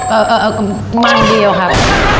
เออเออเออมังเดียวครับ